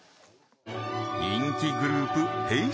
人気グループＨｅｙ！